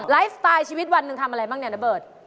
ไลฟ์สไตล์ชีวิตวันหนึ่งทำอะไรบ้างเนี่ยนะเบิร์ต